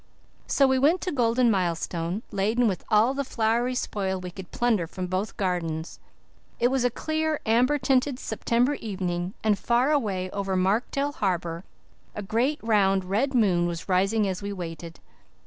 So we went to Golden Milestone, laden with all the flowery spoil we could plunder from both gardens. It was a clear amber tinted September evening and far away, over Markdale Harbour, a great round red moon was rising as we waited.